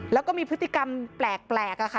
แล้วก็มีพฤติกรรมแปลกค่ะ